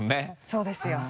そうですよ。